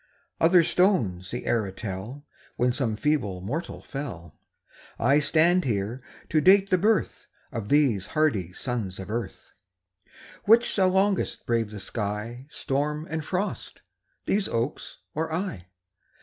Other stones the era tell When some feeble mortal fell; I stand here to date the birth Of these hardy sons of earth. Which shall longest brave the sky, Storm and frost these oaks or I?